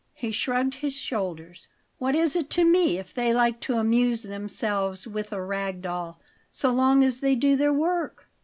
He shrugged his shoulders. "What is it to me if they like to amuse themselves with a rag doll, so long as they do their work?